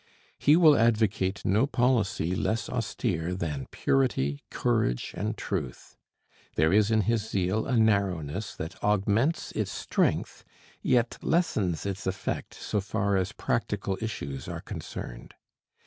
He will advocate no policy less austere than purity, courage, and truth. There is in his zeal a narrowness that augments its strength, yet lessens its effect so far as practical issues are concerned.